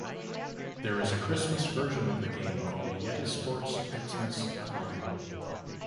There is a Christmas version of the game called Yetisports Xmas Climb.